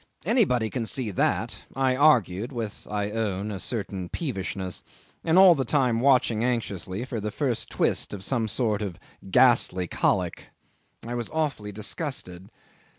Anybody can see that," I argued with, I own, a certain peevishness, and all the time watching anxiously for the first twist of some sort of ghastly colic. I was awfully disgusted.